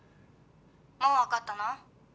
「もうわかったの？